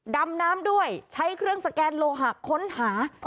ดำน้ำด้วยใช้เครื่องสแกนโลหะค้นหา